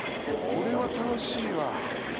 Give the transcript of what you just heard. これは楽しいわ。